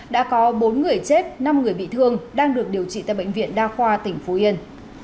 đã có bốn người chết năm người bị thương đang được điều trị tại bệnh viện đa khoa tỉnh phú yên